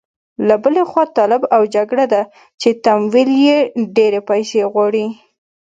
له بلې خوا طالب او جګړه ده چې تمویل یې ډېرې پيسې غواړي.